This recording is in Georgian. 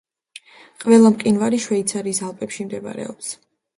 ყველა მყინვარი შვეიცარიის ალპებში მდებარეობს.